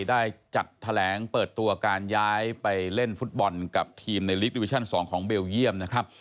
ได้จัดแถลงเปิดตัวการย้ายไปเล่นฟุตบอลกับทีมในลีกดิวิชั่น๒ของเบลเยี่ยมนะครับ